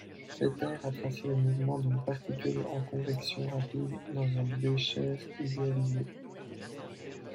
Fetter a tracé le mouvement d'une particule en convection rapide dans un bécher idéalisé.